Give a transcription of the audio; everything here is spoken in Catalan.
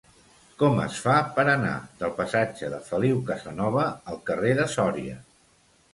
Com es fa per anar del passatge de Feliu Casanova al carrer de Sòria?